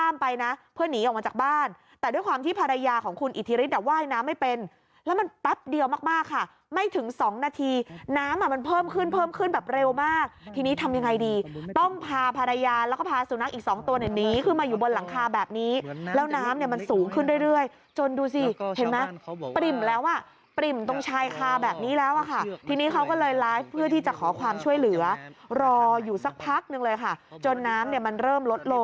มาจากบ้านแต่ด้วยความที่ภรรยาของคุณอิทธิฤทธิ์แต่ว่ายน้ำไม่เป็นแล้วมันแป๊บเดียวมากมากค่ะไม่ถึงสองนาทีน้ำมันเพิ่มขึ้นเพิ่มขึ้นแบบเร็วมากทีนี้ทำยังไงดีต้องพาภรรยาแล้วก็พาสุนัขอีกสองตัวแบบนี้ขึ้นมาอยู่บนหลังคาแบบนี้แล้วน้ำเนี้ยมันสูงขึ้นเรื่อยเรื่อยจนดูสิ